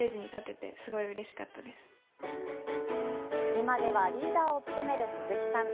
今ではリーダーを務める鈴木さん。